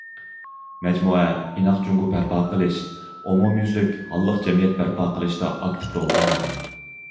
مەجمۇئە ئىناق جۇڭگو بەرپا قىلىش، ئومۇميۈزلۈك ھاللىق جەمئىيەت بەرپا قىلىشتا ئاكتىپ رول ئوينىغان.